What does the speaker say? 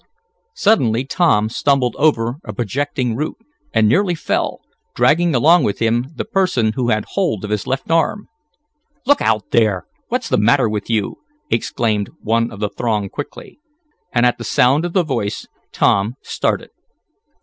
Suddenly Tom stumbled over a projecting root, and nearly fell, dragging along with him the person who had hold of his left arm. "Look out there! What's the matter with you?" exclaimed one of the throng quickly, and at the sound of the voice Tom started.